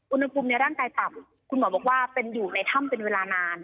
อุณหภูมิในร่างกายต่ำคุณหมอบอกว่าเป็นอยู่ในถ้ำเป็นเวลานาน